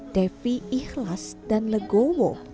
devi ikhlas dan legowo